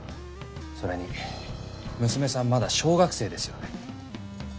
それに娘さんまだ小学生ですよね？